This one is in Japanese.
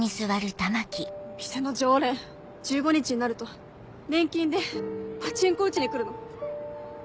店の常連１５日になると年金でパチンコ打ちに来るの。